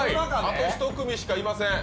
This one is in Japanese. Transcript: あと１組しかいません